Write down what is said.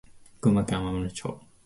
群馬県甘楽町